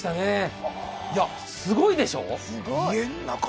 すごいでしょ？